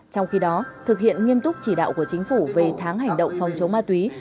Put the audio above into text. trong khi đó thực hiện nghiêm túc chỉ đạo của chính phủ về tháng hành động phòng chống ma túy